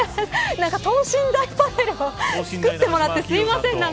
等身大パネルを作ってもらってすみません。